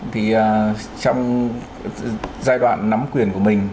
thì trong giai đoạn nắm quyền của mình